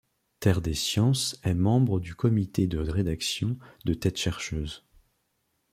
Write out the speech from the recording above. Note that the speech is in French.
Terre des sciences est membre du comité de rédaction de Têtes chercheuses.